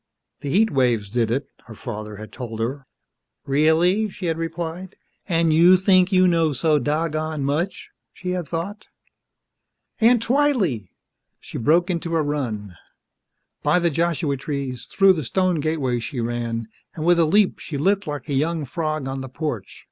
The heat waves did it, her father had told her. "Really?" she had replied, and you think you know so doggone much, she had thought. "Aunt Twylee!" She broke into a run. By the Joshua trees, through the stone gateway she ran, and with a leap she lit like a young frog on the porch.